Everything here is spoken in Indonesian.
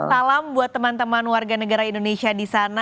salam buat teman teman warga negara indonesia di sana